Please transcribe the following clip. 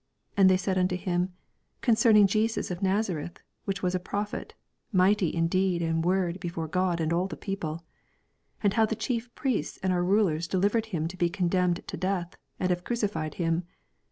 And they said unto him, Concerning Jesus of Nazareth, which was a prophet, mighty in deed and word before God and all the people : 20 And how the Chief Priests and our rulers delivered him to be con demned to death, and have crueifled him.